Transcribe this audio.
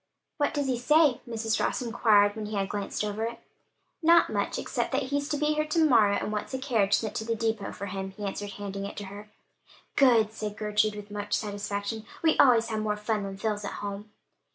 "What does he say?" Mrs. Ross inquired when he had glanced over it. "Not much, except that he's to be here to morrow, and wants the carriage sent to the depot for him," he answered, handing it to her. "Good!" said Gertrude, with much satisfaction. "We always have more fun when Phil's at home."